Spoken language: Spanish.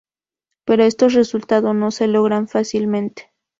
Pero estos resultados no se logran fácilmente.